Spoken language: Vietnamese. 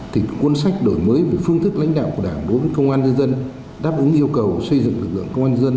thì cuốn sách đổi mới về phương thức lãnh đạo của đảng đối với công an nhân dân đáp ứng yêu cầu xây dựng lực lượng công an nhân dân